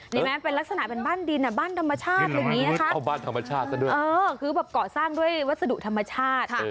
เนี้ยแม้มเป็นลักษณะแบบบ้านดินบ้านธรรมชาติแบบนี้คือโกะสร้างด้วยวัสดุธรรมชาติ